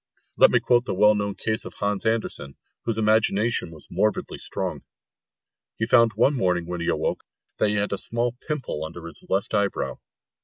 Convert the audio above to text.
Let me quote the well known case of Hans Andersen, whose imagination was morbidly strong. He found one morning when he awoke that he had a small pimple under his left eyebrow.